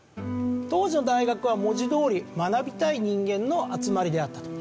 「当時の大学は文字通り学びたい人間の集まりであった」と。